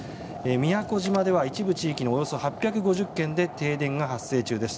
宮古島では一部の地域でおよそ８５０軒で停電が発生中です。